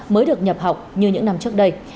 mới được nhập học như những năm trước đây